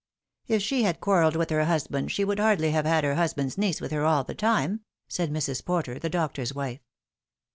" If she had quarrelled with her husband, she would hardly have had her husband's niece with her all the time," said Mrs. Porter, the doctor's wife.